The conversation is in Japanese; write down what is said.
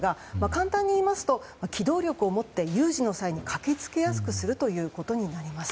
簡単に言いますと機動力を持って有事の際に駆け付けやすくするということになります。